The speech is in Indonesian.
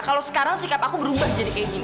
kalau sekarang sikap aku berubah jadi kayak gini